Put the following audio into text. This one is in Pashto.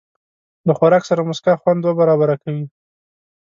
له خوراک سره موسکا، خوند دوه برابره کوي.